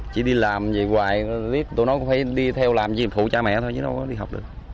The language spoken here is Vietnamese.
chỉ đi làm vậy hoài tụi nó cũng phải đi theo làm gì để phụ cha mẹ thôi chứ đâu có đi học được